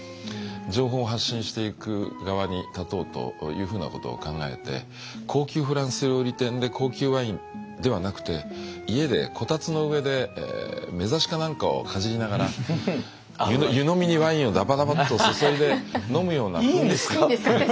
情報を発信していく側に立とうというふうなことを考えて高級フランス料理店で高級ワインではなくて家でこたつの上でめざしか何かをかじりながら湯飲みにワインをダバダバッと注いで飲むような。